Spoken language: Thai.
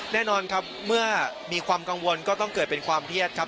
แน่นอนครับเมื่อมีความกังวลก็ต้องเกิดเป็นความเครียดครับ